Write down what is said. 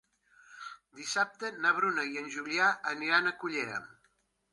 Dissabte na Bruna i en Julià aniran a Cullera.